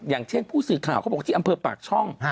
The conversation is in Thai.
อย่างเช่นผู้สื่อข่าวเขาบอกที่อำเภอปากช่อง